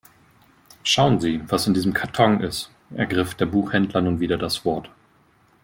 Schauen Sie, was in diesem Karton ist, ergriff der Buchhändler nun wieder das Wort.